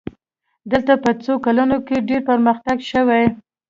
دلته په څو کلونو کې ډېر پرمختګ شوی.